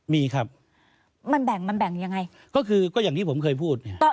มีครับมันแบ่งมันแบ่งยังไงก็คือก็อย่างที่ผมเคยพูดเนี่ย